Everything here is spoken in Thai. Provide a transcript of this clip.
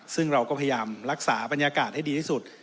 ซึ่งเราก็พยายามรักษาบรรยากาศให้ดีที่สุด